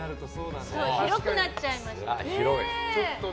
広くなっちゃいましたね。